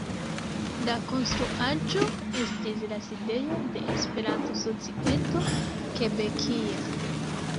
La konstruaĵo estis la sidejo de Esperanto-Societo Kebekia.